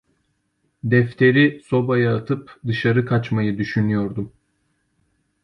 Defteri sobaya atıp dışarı kaçmayı düşünüyordum.